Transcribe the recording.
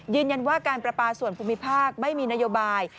ยืนยันว่าการประปาส่วนภูมิภาคไม่มีนโยบาย